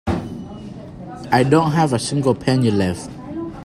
I don't have a single penny left.